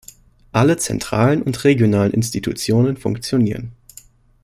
Alle zentralen und regionalen Institutionen funktionieren.